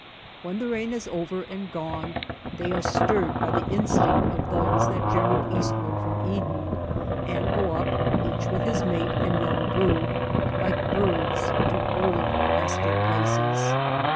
When the rain is over and gone they are stirred by the instinct of those that journeyed eastward from Eden, and go up each with his mate and young brood, like birds to old nesting places.